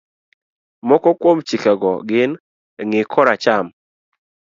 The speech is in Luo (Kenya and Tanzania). Moko kuom chikego gin, ng'i koracham,